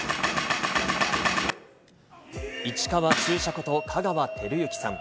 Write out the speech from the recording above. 市川中車こと香川照之さん。